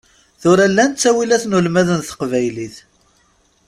Tura llan ttawilat n ulmad n teqbaylit.